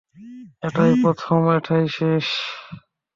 এটাই প্রথম আর এটাই শেষ।